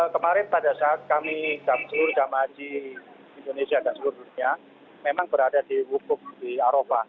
kemarin pada saat kami datang ke seluruh jemaah haji indonesia dan seluruh dunia memang berada di wukuk di aropah